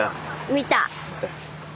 見た。